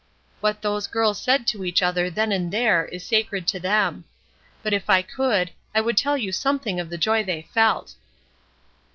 What those girls said to each other then and there is sacred to them. But if I could, I would tell you something of the joy they felt.